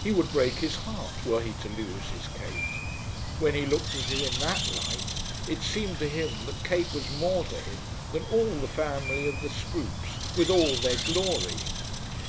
He would break his heart were he to lose his Kate. When he looked at it in that light it seemed to him that Kate was more to him than all the family of the Scroopes with all their glory.